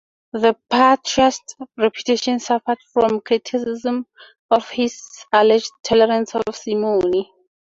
The patriarch's reputation suffered from criticism of his alleged tolerance of simony.